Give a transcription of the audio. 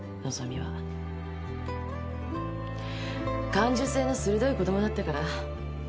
感受性の鋭い子供だったから。